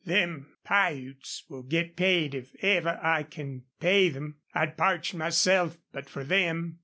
"Them Piutes will git paid if ever I can pay them. I'd parched myself but for them....